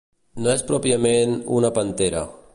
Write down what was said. No és pròpiament una pantera.